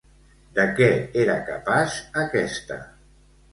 De què era capaç aquesta?